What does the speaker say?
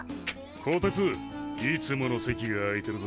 こてついつもの席が空いてるぜ。